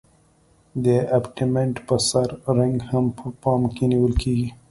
د ابټمنټ په سر رینګ هم په پام کې نیول کیږي